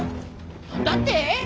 何だって？